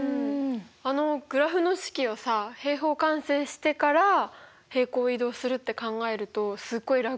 あのグラフの式をさ平方完成してから平行移動するって考えるとすっごい楽だよね。